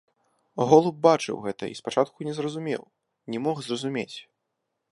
Голуб бачыў гэта і спачатку не зразумеў, не мог зразумець.